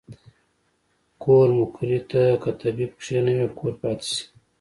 کور مقري ته کۀ طبيب کښېنوې کور پاتې شي